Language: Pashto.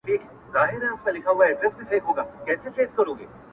ورته وخانده چي مرگ يـې ځــيـنــي مـــړ ســــي ـ